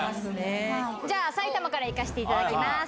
じゃあ、埼玉からいかせていただきます。